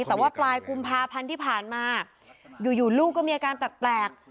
แต่ว่าปลายกุมภาพันธ์ที่ผ่านมาอยู่ลูกก็มีอาการแปลก